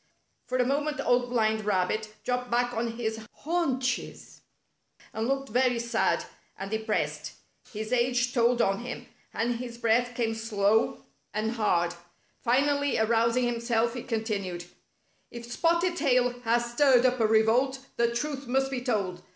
For a moment Old Blind Rabbit dropped back on his haunches and looked very sad and de pressed. His age told on him, and his breath came slow and hard. Finally arousing himself, he continued: " If Spotted Tail has stirred up a revolt, the truth must be told.